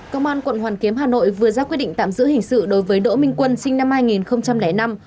công an quận hoàn kiếm hà nội vừa ra quyết định tạm giữ hình sự đối với đỗ minh quân sinh năm hai nghìn năm